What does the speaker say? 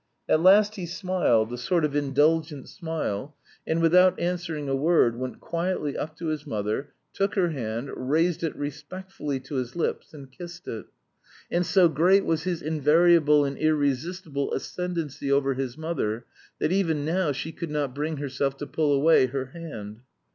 At last he smiled, a sort of indulgent smile, and without answering a word went quietly up to his mother, took her hand, raised it respectfully to his lips and kissed it. And so great was his invariable and irresistible ascendancy over his mother that even now she could not bring herself to pull away her hand.